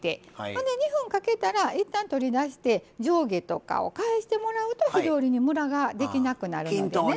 ほんで２分かけたらいったん取り出して上下とかを返してもらうと火通りにムラができなくなるのでね。